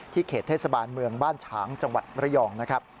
เขตเทศบาลเมืองบ้านฉางจังหวัดระยองนะครับ